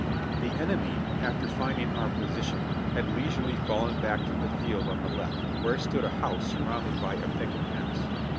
The enemy, after finding our position, had leisurely fallen back to the field on the left, where stood a house surrounded by a picket fence.